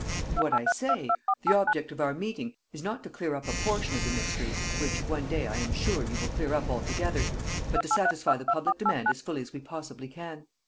"What I say. The object of our meeting is not to clear up a portion of the mystery, which, one day, I am sure, you will clear up altogether, but to satisfy the public demand as fully as we possibly can.